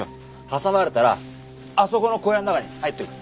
挟まれたらあそこの小屋の中に入っていく。